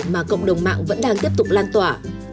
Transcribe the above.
mà cộng đồng mạng vẫn đang tiếp tục lan tỏa